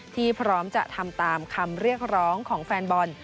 พร้อมจะทำตามคำเรียกร้องของแฟนบอล